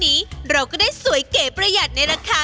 นี้เก๋ไก่เก๋ไก่